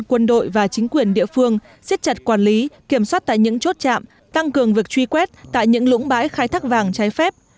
quân đội và chính quyền địa phương xích chặt quản lý kiểm soát tại những chốt chạm tăng cường việc truy quét tại những lũng bãi khai thác vàng trái phép